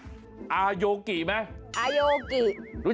ว่าน้องโยวเป็นใคร